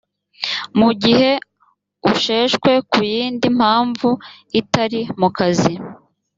mu gihe usheshwe ku yindi mpamvu itari mu kazi